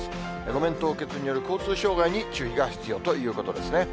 路面凍結による交通障害に注意が必要ということですね。